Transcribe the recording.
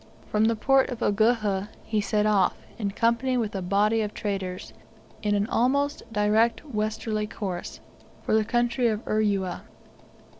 From the port of Uguhha he set off, in company with a body of traders, in an almost direct westerly course, for the country of Urua.